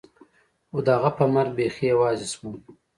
خو د هغه په مرګ بيخي يوازې سوم.